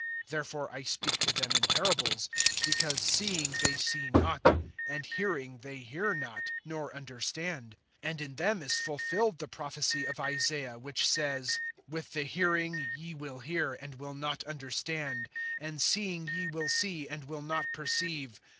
(13)Therefore I speak to them in parables; because seeing they see not, and hearing they hear not, nor understand. (14)And in them is fulfilled the prophecy of Isaiah, which says: With the hearing ye will hear, and will not understand; And seeing ye will see, and will not perceive.